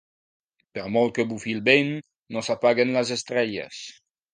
Per molt que bufi el vent, no s'apaguen les estrelles.